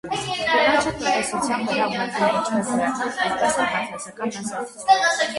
Գնաճը տնտեսության վրա ունենում է ինչպես դրական, այնպես էլ բասացական ազդեցություն։